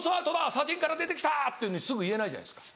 砂塵から出て来た」っていうふうにすぐ言えないじゃないですか。